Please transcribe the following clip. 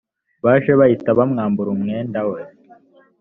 baje bahita bamwambura umwenda we